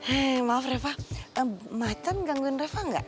eh maaf reva macan gangguin reva enggak